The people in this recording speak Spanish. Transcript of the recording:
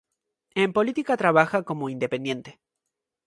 En política trabaja como independiente.